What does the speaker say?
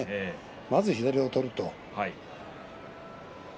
まず左を取ると。